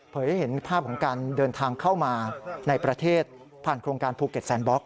ให้เห็นภาพของการเดินทางเข้ามาในประเทศผ่านโครงการภูเก็ตแซนบล็อก